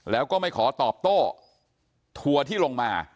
แล้วก็ไม่ขอตอบโต้ทัวร์ที่ลงมา